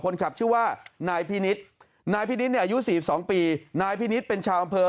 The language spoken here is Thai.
คนขับชื่อว่านายพินิษฐ์นายพินิศเนี่ยอายุ๔๒ปีนายพินิษฐ์เป็นชาวอำเภอ